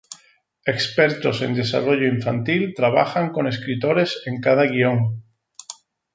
Expertos en desarrollo infantil trabajan con escritores en cada guion.